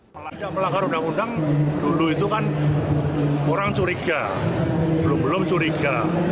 melanggar undang undang dulu itu kan orang curiga belum belum curiga